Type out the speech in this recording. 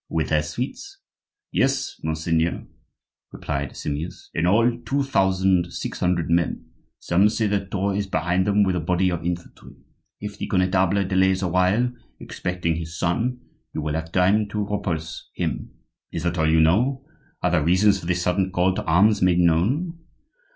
"With their suites?" "Yes, monseigneur," replied Simeuse; "in all, two thousand six hundred men. Some say that Thore is behind them with a body of infantry. If the Connetable delays awhile, expecting his son, you still have time to repulse him." "Is that all you know? Are the reasons of this sudden call to arms made known?"